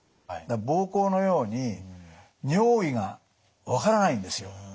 膀胱のように尿意が分からないんですよ。